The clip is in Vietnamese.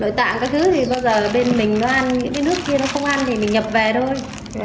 nội tạng các thứ thì bao giờ bên mình nó ăn bên nước kia nó không ăn thì mình nhập về thôi